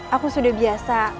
aku sudah biasa